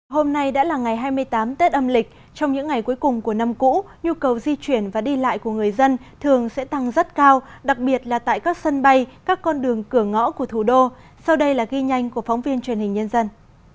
hôm nay đã là ngày hai mươi tám tết âm lịch trong những ngày cuối cùng của năm cũ nhu cầu di chuyển và đi lại của người dân thường sẽ tăng rất cao đặc biệt là tại các sân bay các con đường cửa ngõ của thủ đô sau đây là ghi nhanh của phóng viên truyền hình nhân dân